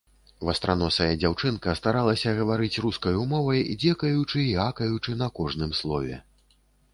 Вастраносая дзяўчынка старалася гаварыць рускаю мовай, дзекаючы і акаючы на кожным слове.